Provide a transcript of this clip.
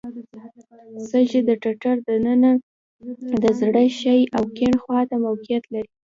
سږي د ټټر د ننه د زړه ښي او کیڼ خواته موقعیت لري.